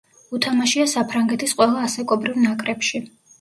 უთამაშია საფრანგეთის ყველა ასაკობრივ ნაკრებში.